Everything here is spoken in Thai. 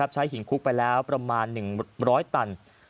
หินคุกไปแล้วประมาณ๑๐๐ตัน